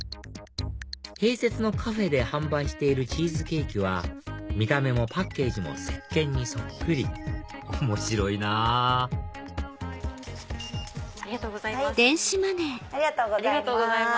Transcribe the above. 併設のカフェで販売しているチーズケーキは見た目もパッケージもせっけんにそっくり面白いなぁありがとうございます。